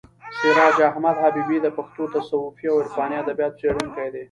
سراج احمد حبیبي د پښتو تصوفي او عرفاني ادبیاتو څېړونکی دی.